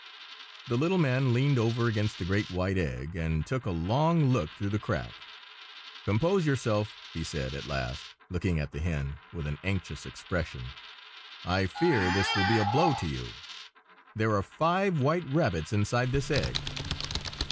The little man leaned over against the great white egg, and took a long look through the crack. "Compose yourself!" he said, at last, looking at the hen with an anxious expression. "I fear this will be a blow to you. There are five white rabbits inside this egg!"